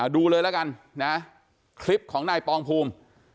ดูเลยละกันนะคลิปของนายปองภูมิ